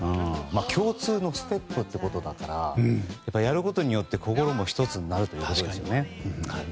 共通のステップということだからやることによって心も１つになるということですね。